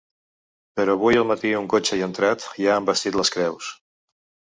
Però avui al matí un cotxe hi ha entrat i ha envestit les creus.